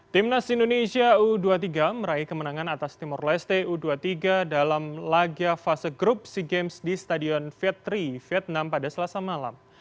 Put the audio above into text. timnas indonesia u dua puluh tiga meraih kemenangan atas timur leste u dua puluh tiga dalam laga fase grup sea games di stadion vet tiga vietnam pada selasa malam